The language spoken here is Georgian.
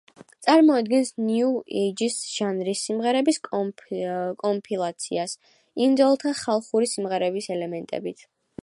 წარმოადგენს ნიუ ეიჯის ჟანრის სიმღერების კომპილაციას, ინდიელთა ხალხური სიმღერების ელემენტებით.